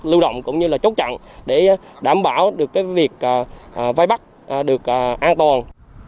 lưu động cũng như là chốt chặn để đảm bảo được cái việc vai bắt được an toàn